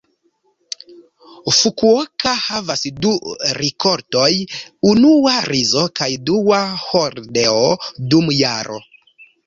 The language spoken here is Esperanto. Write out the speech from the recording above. Fukuoka havas du rikoltoj, unua rizo kaj dua hordeo, dum jaro.